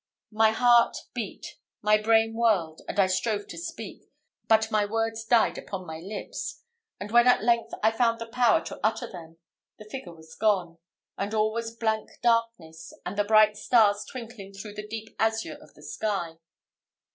My heart beat, my brain whirled, and I strove to speak; but my words died upon my lips; and when at length I found the power to utter them, the figure was gone, and all was blank darkness, with the bright stars twinkling through the deep azure of the sky.